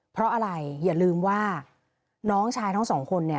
เพราะอะไรอย่าลืมว่าน้องชายทั้งสองคนเนี่ย